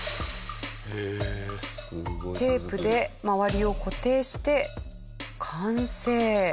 テープで周りを固定して完成。